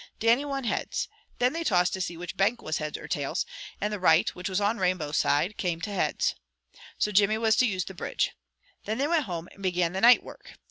Dannie won heads. Then they tossed to see which bank was heads or tails, and the right, which was on Rainbow side, came heads. So Jimmy was to use the bridge. Then they went home, and began the night work.